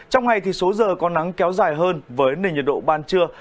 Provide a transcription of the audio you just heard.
trong ngày số giờ có nắng kéo dài hơn với nền nhiệt độ ban trưa